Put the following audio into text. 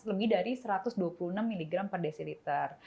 lebih dari satu ratus dua puluh enam mg per desiliter